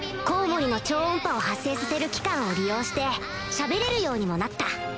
コウモリの超音波を発生させる器官を利用してしゃべれるようにもなった